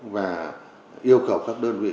và yêu cầu các đơn vị